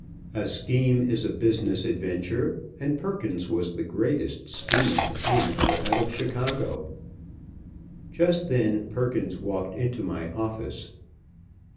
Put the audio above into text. A scheme is a business adventure, and Perkins was the greatest schemer in or out of Chicago. Just then Perkins walked into my office.